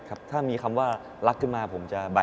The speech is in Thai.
ก็มีคำว่ารักขึ้นมาผมจะ